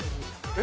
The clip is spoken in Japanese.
え？